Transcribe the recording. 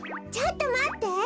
ちょっとまって！